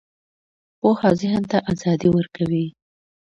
پوهه ذهن ته ازادي ورکوي